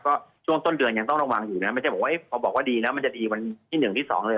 ก็ช่วงต้นเดือนยังต้องระวังอยู่นะไม่ใช่บอกว่าพอบอกว่าดีแล้วมันจะดีวันที่๑ที่๒เลย